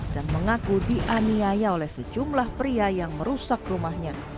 dan mengaku dianiaya oleh sejumlah pria yang merusak rumahnya